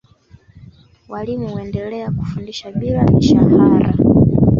Walimu wendelea kufundisha bila mishahara